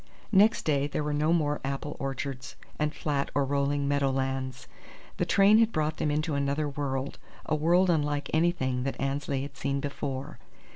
Next day there were no more apple orchards and flat or rolling meadow lands. The train had brought them into another world, a world unlike anything that Annesley had seen before.